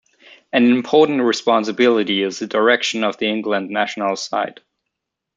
An important responsibility is the direction of the England national side.